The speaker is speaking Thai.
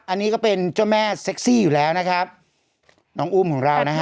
อันนี้ก็เป็นเจ้าแม่เซ็กซี่อยู่แล้วนะครับน้องอุ้มของเรานะฮะ